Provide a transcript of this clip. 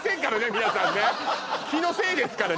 皆さんね気のせいですからね